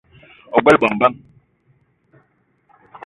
Ogbela bongo bang ?